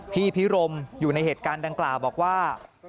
พี่พิรมอยู่ในเหตุการณ์ดังกล่าวบอกว่า